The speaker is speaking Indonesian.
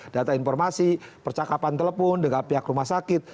data informasi percakapan telepon dengan pihak rumah sakit